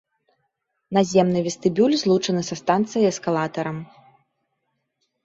Наземны вестыбюль злучаны са станцыяй эскалатарам.